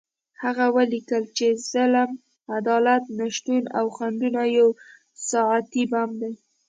هغه ولیکل چې ظلم، عدالت نشتون او خنډونه یو ساعتي بم دی.